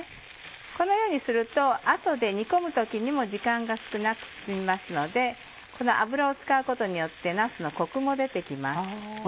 このようにすると後で煮込む時にも時間が少なく済みますのでこの油を使うことによってなすのコクも出て来ます。